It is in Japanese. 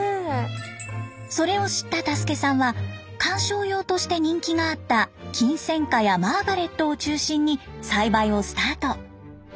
それを知った太助さんは観賞用として人気があったキンセンカやマーガレットを中心に栽培をスタート。